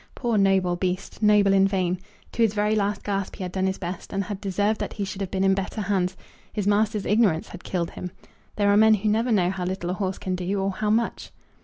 Poor noble beast, noble in vain! To his very last gasp he had done his best, and had deserved that he should have been in better hands. His master's ignorance had killed him. There are men who never know how little a horse can do, or how much!